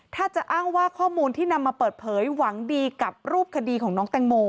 ถ้าจะอ้างว่าข้อมูลที่นำมาเปิดเผยหวังดีกับรูปคดีของน้องแตงโม